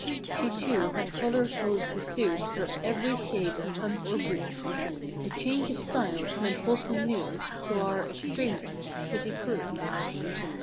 She, too, had colored hose to suit Her every shade of pump or boot. A "change of styles" meant wholesome news To our extremist—Kitty Crews.